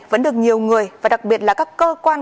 vẫn được nhiều người và đặc biệt là các cơ quan